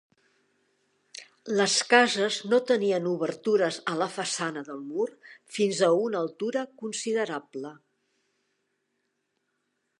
Les cases no tenien obertures a la façana del mur fins a una altura considerable.